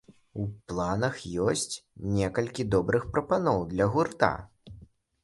У планах ёсць некалькі добрых прапаноў для гурта.